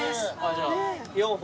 じゃあ４本。